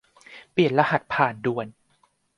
เปลี่ยนรหัสผ่านด่วน